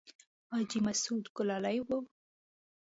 حاجي مسعود ګلالی و.